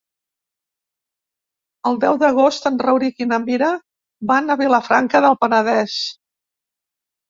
El deu d'agost en Rauric i na Mira van a Vilafranca del Penedès.